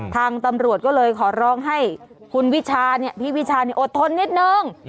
ทางตำรวจก็เลยขอร้องให้คุณวิชานเนี่ยพี่วิชานเนี่ยอดทนนิดนึง